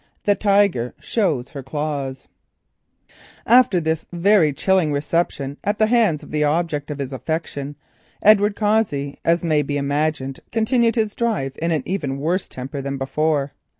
THE TIGER SHOWS HER CLAWS After this very chilling reception at the hands of the object of his affection, Edward Cossey continued his drive in an even worse temper than before.